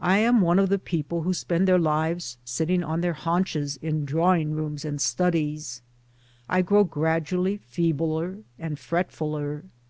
I am one of the people who spend their lives sitting on their haunches in drawing rooms and studies; I grow gradually feebler and fretfuler.